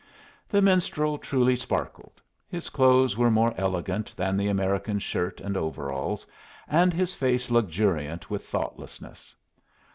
The minstrel truly sparkled. His clothes were more elegant than the American's shirt and overalls, and his face luxuriant with thoughtlessness.